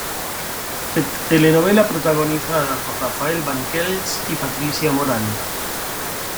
Telenovela protagonizada por Rafael Banquells y Patricia Morán.